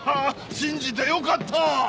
信じてよかった。